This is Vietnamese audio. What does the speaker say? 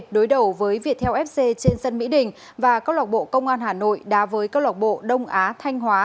đối đầu với việt theo fc trên sân mỹ đình và công lọc bộ công an hà nội đá với công lọc bộ đông á thanh hóa